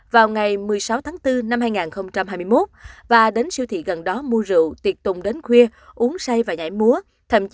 vào ngày một mươi sáu tháng bốn năm hai nghìn hai mươi một và đến siêu thị gần đó mua rượu tiệc tùng đến khuya uống say và nhảy múa